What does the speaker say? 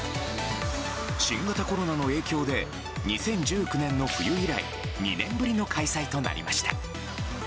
新型コロナの影響で２０１９年の冬以来２年ぶりの開催となりました。